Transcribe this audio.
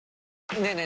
ねえねえ